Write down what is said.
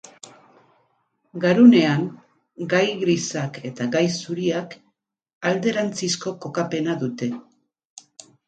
Garunean gai grisak eta gai zuriak alderantzizko kokapena dute.